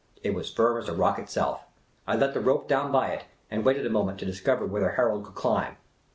It was firm as the rock itself. I let the rope down by it, and waited a moment to discover whether Harold could climb.